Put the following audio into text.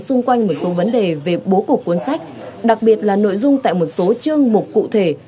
xung quanh một số vấn đề về bố cục cuốn sách đặc biệt là nội dung tại một số chương mục cụ thể